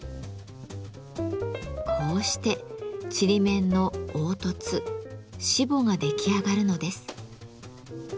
こうしてちりめんの凹凸しぼが出来上がるのです。